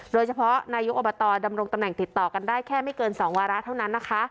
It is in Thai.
นายกอบตดำรงตำแหน่งติดต่อกันได้แค่ไม่เกิน๒วาระเท่านั้นนะคะ